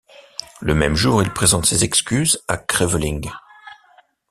Le même jour, il présente ses excuses à Creveling.